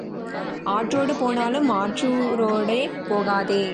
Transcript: ஆற்றோடு போனாலும் ஆற்றூரோடே போகாதே.